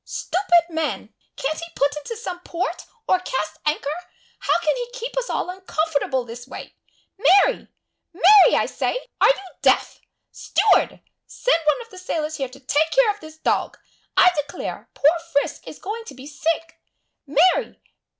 Stupid man! Can't he put into some port, or cast anchor? How can he keep us all uncomfortable in this way! Mary! Mary, I say! are you deaf? Steward! send one of the sailors here to take care of this dog! I declare poor Frisk is going to be sick! Mary!